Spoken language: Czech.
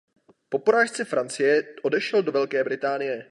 Po porážce Francie odešel do Velké Británie.